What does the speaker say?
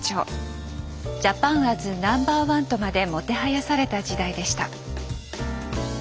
「ジャパンアズＮｏ．１」とまでもてはやされた時代でした。